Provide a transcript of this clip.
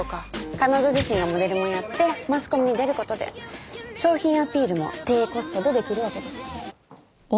彼女自身がモデルもやってマスコミに出る事で商品アピールも低コストで出来るわけです。